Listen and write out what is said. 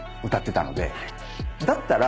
だったら。